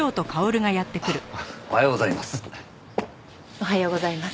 おはようございます。